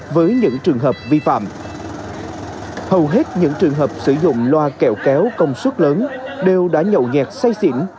với những trường hợp vi phạm hầu hết những trường hợp sử dụng loa kẹo kéo công suất lớn đều đã nhậu nhẹt say xỉn